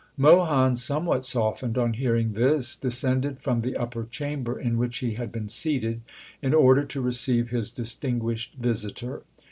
Mohan, somewhat softened on hearing this, descended from the upper chamber in which he had been seated, in order to receive his distinguished visitor.